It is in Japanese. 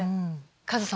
カズさん